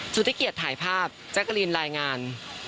สุธิเกียจถ่ายภาพแจ๊กกะลีนรายงาน